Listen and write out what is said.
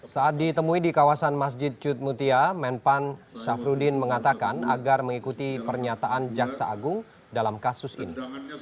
saat ditemui di kawasan masjid cudmutia men pan safrudin mengatakan agar mengikuti pernyataan jaksa agung dalam kasus ini